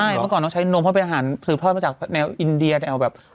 ใช่เมื่อก่อนต้องใช้นมเพราะเป็นอาหารสืบทอดมาจากแนวอินเดียแนวแบบ